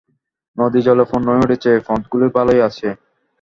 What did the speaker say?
নদী জলে পূর্ণ হয়ে উঠেছে, পথগুলি ভালই আছে।